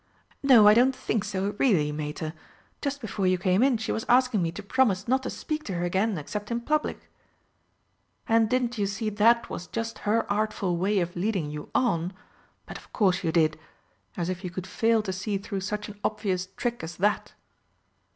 "No, I don't think so, really, Mater. Just before you came in she was asking me to promise not to speak to her again, except in public." "And didn't you see that was just her artful way of leading you on? But of course you did! As if you could fail to see through such an obvious trick as that."